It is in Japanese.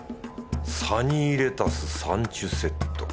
サニーレタス・サンチュセット。